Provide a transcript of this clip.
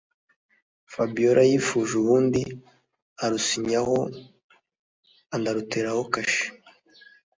Fabiora yifuje ubundi arusinyaho anaruteraho kashi